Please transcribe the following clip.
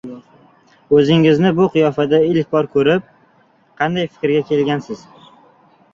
O‘zingizni bu qiyofada ilk bor ko‘rib, qanday fikrga kelgansiz?